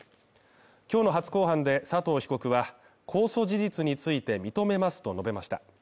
今日の初公判で佐藤被告は公訴事実について認めますと述べました。